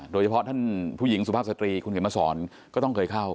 โดยเฉพาะท่านผู้หญิงสุภาพสตรีคุณเขียนมาสอนก็ต้องเคยเข้า